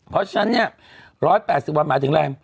เพราะฉะนั้นเนี่ย๑๘๐วันหมายถึงอะไร